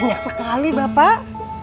banyak sekali bapak